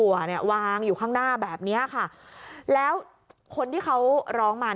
เนี่ยวางอยู่ข้างหน้าแบบเนี้ยค่ะแล้วคนที่เขาร้องมา